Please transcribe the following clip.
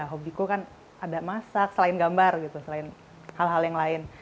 hobiku kan ada masak selain gambar gitu selain hal hal yang lain